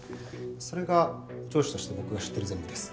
それが上司として僕が知っている全部です。